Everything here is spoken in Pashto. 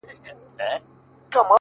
ته خيالوره لکه مرغۍ د هوا